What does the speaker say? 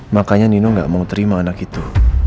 makanya nino nggak mau terima anak itu